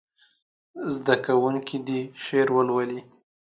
زده کوونکي دې شعر ولولي.